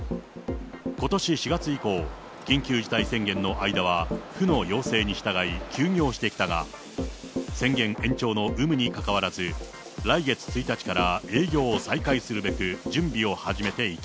ことし４月以降、緊急事態宣言の間は府の要請に従い休業してきたが、宣言延長の有無にかかわらず、来月１日から営業を再開するべく、準備を始めていた。